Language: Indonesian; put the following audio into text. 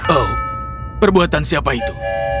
oh perbuatan siapa itu